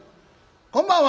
こんばんは。